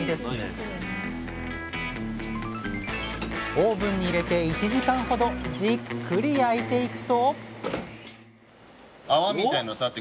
オーブンに入れて１時間ほどじっくり焼いていくとうわ出来ました。